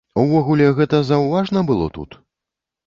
Увогуле гэта заўважна было тут?